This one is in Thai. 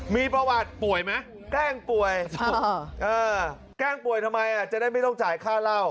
มีประวัติป่วยไหมแกล้งป่วยแกล้งป่วยทำไมจะได้ไม่ต้องจ่ายค่าเหล้า